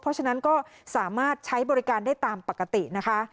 เพราะฉะนั้นก็สามารถใช้บริการได้ตามปกตินะคะ